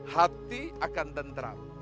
hati akan tenterap